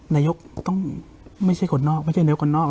นายกต้องไม่ใช่คนนอกไม่ใช่นายกคนนอก